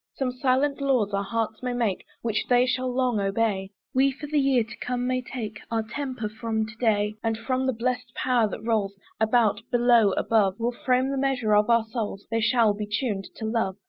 Some silent laws our hearts may make, Which they shall long obey; We for the year to come may take Our temper from to day. And from the blessed power that rolls About, below, above; We'll frame the measure of our souls, They shall be tuned to love.